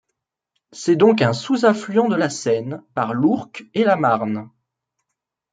C'est donc un sous-affluent de la Seine par l'Ourcq et la Marne.